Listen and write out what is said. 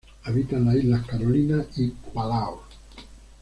Habita en las Islas Carolinas y Palaos.